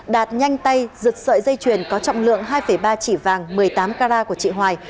đạt nhanh tay giật sợi dây chuyền có trọng lượng hai ba chỉ vàng một mươi tám carat của chị hoài